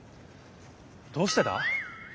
どうしてだ？